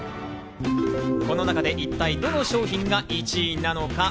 この中で一体どの商品が１位なのか？